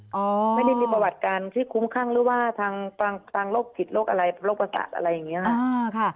ไม่ได้มีประวัติการที่คุ้มครั่งหรือว่าทางโรคจิตโรคอะไรโรคประกัดอะไรอย่างนี้ค่ะ